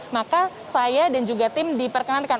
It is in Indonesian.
maka saya dan juga tim diperkenankan